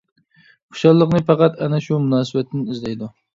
خۇشاللىقنى پەقەت ئەنە شۇ مۇناسىۋەتتىن ئىزدەيدۇ.